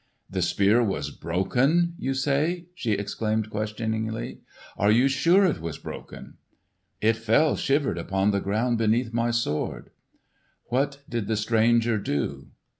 "The spear was broken, you say?" she exclaimed questioningly. "Are you sure it was broken?" "It fell shivered upon the ground beneath my sword." "What did the stranger do?"